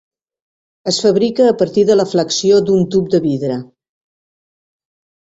Es fabrica a partir de la flexió d'un tub de vidre.